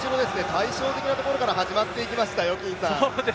対照的なところから始まっていきましたよ。